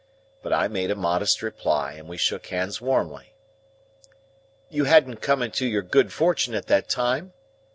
But I made a modest reply, and we shook hands warmly. "You hadn't come into your good fortune at that time?"